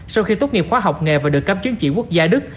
sau khi tốt nghiệp khoa học nghề và được cắm chuyến chỉ quốc gia đức